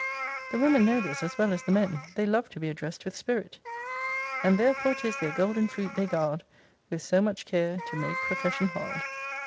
The women know this as well as the men. They love to be addressed with spirit: And therefore 'tis their golden fruit they guard With so much care, to make profession hard.